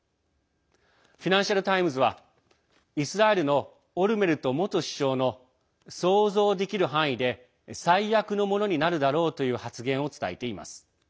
フィナンシャル・タイムズはイスラエルのオルメルト元首相の想像できる範囲で最悪のものになるだろうという発言を伝えています。